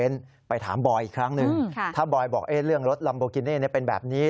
ระยะเรื่องรถลำโบกิเน่เป็นแบบนี้